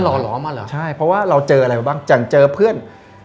มันหล่อหลอมาเหรอใช่เพราะว่าเราเจออะไรบ้างอย่างเจอเพื่อน